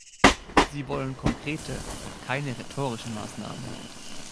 Sie wollen konkrete, keine rhetorischen Maßnahmen.